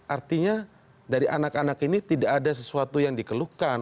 artinya dari anak anak ini tidak ada sesuatu yang dikeluhkan